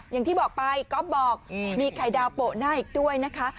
อย่างที่บอกไปก๊อฟบอกมีไข่ดาวโปะหน้าอีกด้วยนะคะ